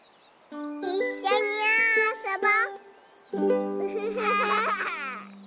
いっしょにあそぼ。